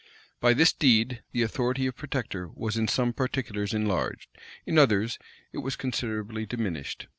By this deed, the authority of protector was in some particulars enlarged; in others, it was considerably diminished.